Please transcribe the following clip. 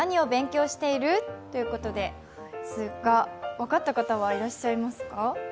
分かった方はいらっしゃいますか？